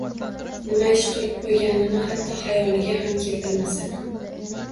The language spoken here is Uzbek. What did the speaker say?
Nima ish qilib qo‘yganini hatto xayoliga ham keltirmasa...